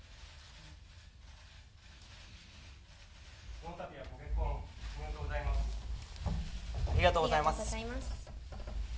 このたびはご結婚、おめでとうございます。